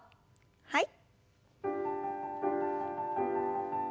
はい。